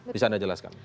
bisa anda jelaskan